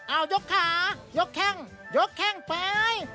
เอายกขายกแข้งยกแข้งไป